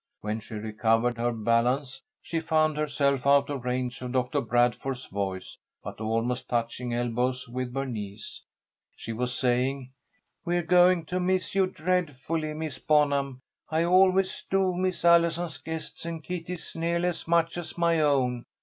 When she recovered her balance she found herself out of range of Doctor Bradford's voice, but almost touching elbows with Bernice. She was saying: "We're going to miss you dreadfully, Miss Bonham. I always do miss Allison's guests and Kitty's nearly as much as my own.